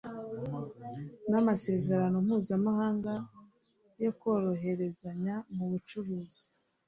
n'amasezerano mpuzamahanga yo koroherezanya mu bucuruzi,